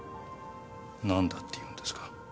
何だっていうんですか？